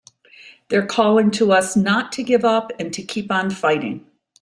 They're calling to us not to give up and to keep on fighting!